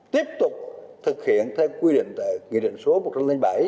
tiếp tục thực hiện theo quy định số một trăm linh bảy